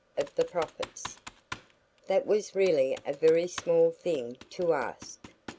of the profits. That was really a very small thing to ask.